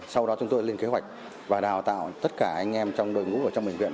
sau đó chúng tôi lên kế hoạch và đào tạo tất cả anh em trong đội ngũ ở trong bệnh viện